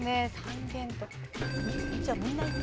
じゃあみんないく？